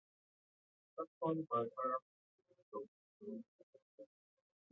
Arson by Arab citizens of Israel.